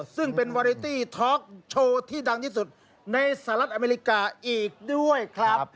ซึ่งเป็นวาริตี้ท็อกโชว์ที่ดังที่สุดในสหรัฐอเมริกาอีกด้วยครับ